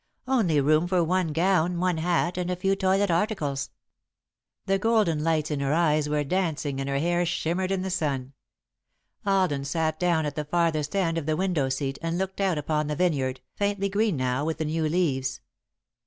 Only room for one gown, one hat, and a few toilet articles!" [Sidenote: Always Too Late] The golden lights in her eyes were dancing and her hair shimmered in the sun. Alden sat down at the farthest end of the window seat and looked out upon the vineyard, faintly green, now, with the new leaves.